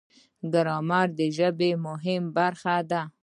ګرامر د ژبې مهمه برخه ده.